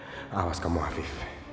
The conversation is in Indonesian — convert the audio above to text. pantes aja kak fanny